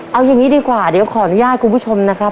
เอาอย่างนี้ดีกว่าเดี๋ยวขออนุญาตคุณผู้ชมนะครับ